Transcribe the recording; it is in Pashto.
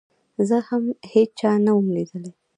زه هم هېچا نه وم ليدلى.